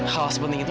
hal sepenting itu